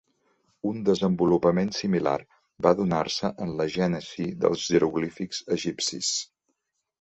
Un desenvolupament similar va donar-se en la gènesi dels jeroglífics egipcis.